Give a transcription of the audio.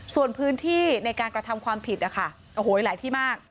ส่วนพื้นที่ในการกระทำความผิดนะคะโอ้โหหลายที่มาก